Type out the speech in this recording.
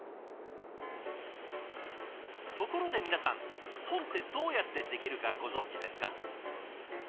ところで皆さん本ってどうやってできるかご存じですか？